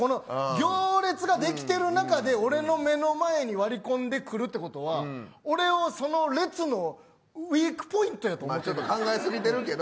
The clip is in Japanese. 行列ができてる中で俺の目の前に割り込んでくるってことは俺をその列の考え過ぎてるけど。